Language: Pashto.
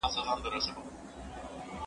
هغه څوک چي کتابتون ته ځي پوهه اخلي،